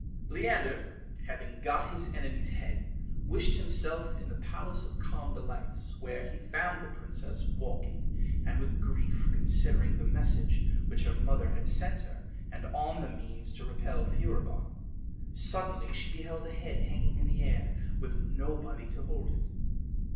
Leander having got his enemy's head, wished himself in the Palace of Calm Delights, where he found the princess walking, and with grief considering the message which her mother had sent her, and on the means to repel Furibon. Suddenly she beheld a head hanging in the air, with nobody to hold it.